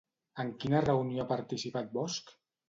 En quina reunió ha participat Bosch?